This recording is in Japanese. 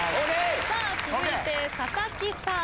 さあ続いて佐々木さん。